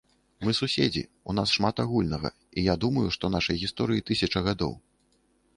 Мы суседзі, у нас шмат агульнага, і я думаю, што нашай гісторыі тысяча гадоў.